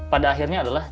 pada akhirnya adalah